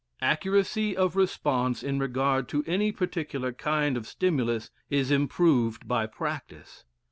Accuracy of response in regard to any particular kind of stimulus is improved by practice.